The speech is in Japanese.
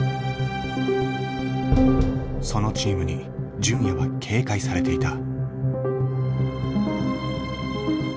そのチームに純也は警戒されていた。